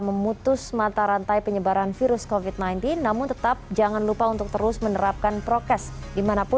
semoga sehat sehat selalu ya pak dan ibu